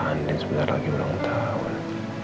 ini semenar lagi ulang tahun